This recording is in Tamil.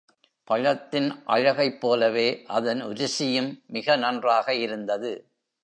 பழத்தின் அழகைப் போலவே அதன் ருசியும் மிக நன்றாக இருந்தது.